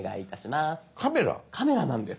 ⁉カメラなんです。